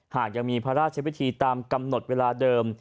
หากยังมีพระราชวิธีตามกำหนดเวลาเดิม